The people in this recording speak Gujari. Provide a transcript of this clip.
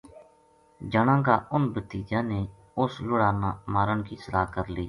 جنا کا اُنھ بھتیجاں نے اس لُڑا نا مارن کی صلاح کر لئی